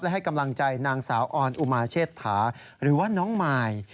ให้กำลังใจนางสาวออนอุมาเชษฐาหรือว่าน้องมาย